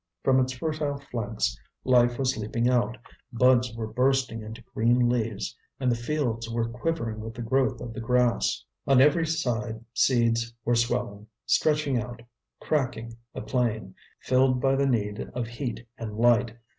From its fertile flanks life was leaping out, buds were bursting into green leaves, and the fields were quivering with the growth of the grass. On every side seeds were swelling, stretching out, cracking the plain, filled by the need of heat and light.